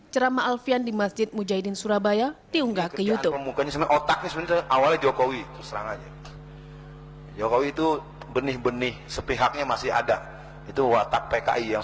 ceramah alfian di masjid mujahidin surabaya diunggah ke youtube